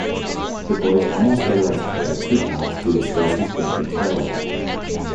The boys almost get arrested by two cops due to Stacey's broken taillight.